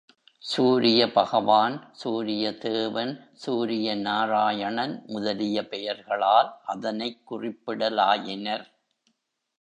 சூரிய பகவான், சூரிய தேவன், சூரியநாராயணன் முதலிய பெயர்களால் அதனைக் குறிப்பிடலாயினர்.